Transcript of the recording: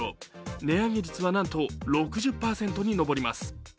値上げ率はなんと６０％に上ります。